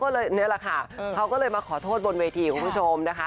นี่แหละค่ะเค้าก็เลยมาขอโทษบนเวทีของผู้ชมนะคะ